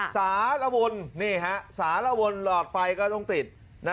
สาระวนหลอดไฟต้องติด